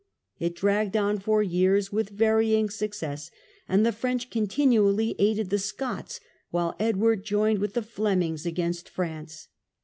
It dragged on for years with varying success, and the French continually aided the Scots, while Edward joined with the Flemings against France.